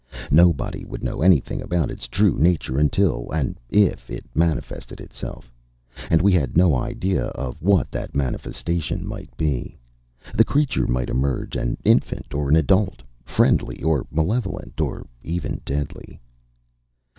Nobody would know anything about its true nature until, and if, it manifested itself. And we had no idea of what that manifestation might be. The creature might emerge an infant or an adult. Friendly or malevolent. Or even deadly.